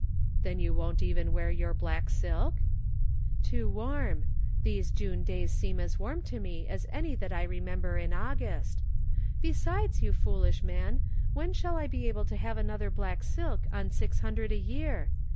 " Then you won't even wear your black silk?" " Too warm. These June days seem as warm to me as any that I remember in August. Besides, you foolish man, when shall I be able to have another black silk on six hundred a year?